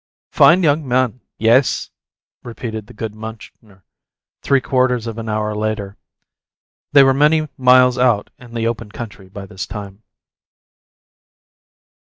"Fine young man, yes," repeated the good Munchner, three quarters of an hour later. They were many miles out in the open country by this time.